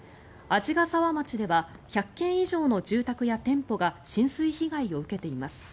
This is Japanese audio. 鰺ヶ沢町では１００軒以上の住宅や店舗が浸水被害を受けています。